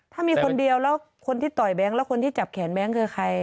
ถ้ามีคนเดียวแล้วคนที่ต่อยแบงค์แล้วคนที่จับแขนแบงค์คือใคร